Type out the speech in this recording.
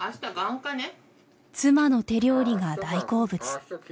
妻の手料理が大好物。